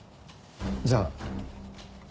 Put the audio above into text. じゃあ。